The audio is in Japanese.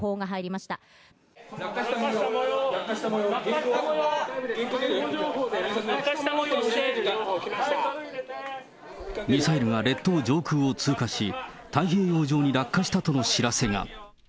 落下したもよう、ミサイルが列島上空を通過し、太平洋上に落下したとの知らせが。